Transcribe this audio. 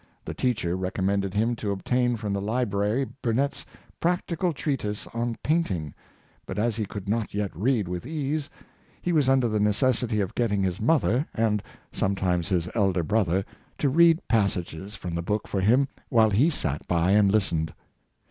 The teacher recommended him to obtain from the library Burnet's '^ Practical Treatise on Painting; " but as he could not yet read with ease, he was under the necessity of getting his mother, and Incessant Study. 353 sometimes his elder brother, to read passages from the book for him while he sat by and listened.